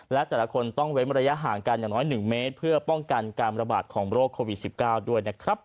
และแต่ละคนต้องเว้นระยะห่างกันอย่างน้อย๑เมตรเพื่อป้องกันการระบาดของโรคโควิด๑๙ด้วยนะครับ